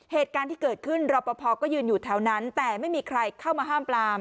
เหตุการณ์ที่เกิดขึ้นรอปภก็ยืนอยู่แถวนั้นแต่ไม่มีใครเข้ามาห้ามปลาม